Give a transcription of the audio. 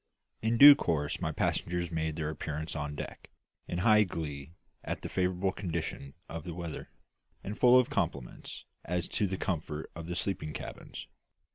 In due course my passengers made their appearance on deck, in high glee at the favourable condition of the weather, and full of compliments as to the comfort of the sleeping cabins.